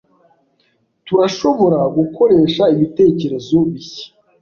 Turashobora gukoresha ibitekerezo bishya.